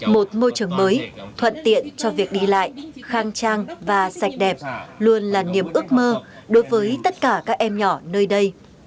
một môi trường mới thuận tiện cho việc đi lại khang trang và sạch đẹp luôn là niềm ước mơ đối với tất cả các em nhỏ nơi đây